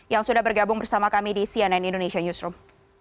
yang sudah bergabung bersama kami di cnn indonesia newsroom